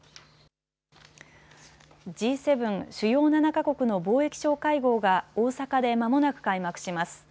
Ｇ７・主要７か国の貿易相会合が大阪でまもなく開幕します。